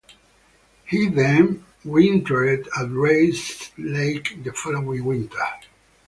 He then wintered at Rice Lake the following winter.